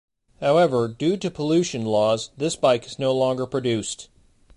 However, due to pollution laws, this bike is no longer produced.